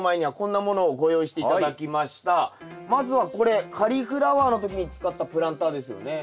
まずはこれカリフラワーの時に使ったプランターですよね。